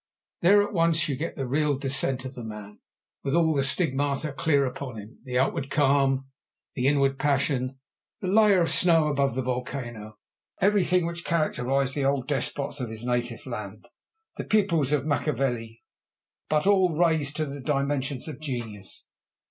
There at once you get the real descent of the man, with all the stigmata clear upon him—the outward calm, the inward passion, the layer of snow above the volcano, everything which characterized the old despots of his native land, the pupils of Machiavelli, but all raised to the dimensions of genius.